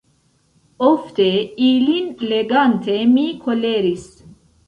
Ofte, ilin legante, mi koleris.